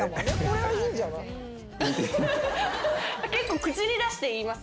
結構口に出して言います？